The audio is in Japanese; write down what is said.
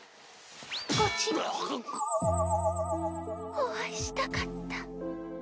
お会いしたかった。